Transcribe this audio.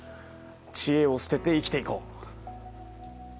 知恵を捨てて生きていこう。